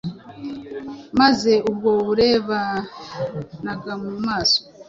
Maze ubwo barebanaga mu maso,